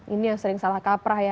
ini yang sering salah kaprah ya